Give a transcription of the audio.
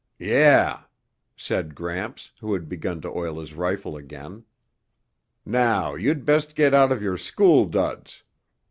"Yeah," said Gramps who had begun to oil his rifle again. "Now you'd best get out of your school duds.